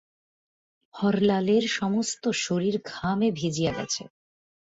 হরলালের সমস্ত শরীর ঘামে ভিজিয়া গেছে।